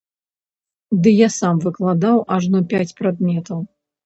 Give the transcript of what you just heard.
Ды я сам выкладаў ажно пяць прадметаў!